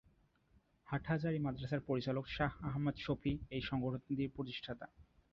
হাটহাজারী মাদ্রাসার মহাপরিচালক শাহ আহমদ শফী এই সংগঠনটির প্রতিষ্ঠাতা।